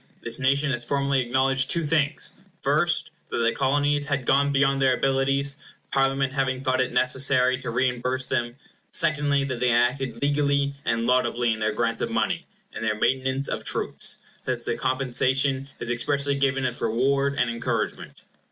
This nation has formally acknowledged two things: first, that the Colonies had gone beyond their abilities, Parliament having thought it necessary to reimburse them; secondly, that they had acted legally and laudably in their grants of money, and their maintenance of troops, since the compensation is expressly given as reward and encouragement.